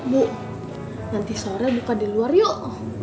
bu nanti sore buka di luar yuk